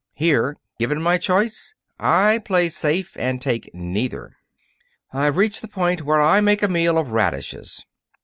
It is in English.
Here, given my choice, I play safe and take neither. I've reached the point where I make a meal of radishes.